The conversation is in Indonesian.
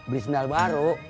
beli sendal baru